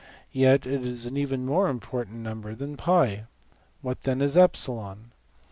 Yet it is an even more important number than~$\pi$! What, then, is \emph{epsilon}?